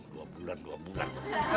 dua bulan dua bulan